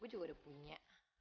gue juga udah punya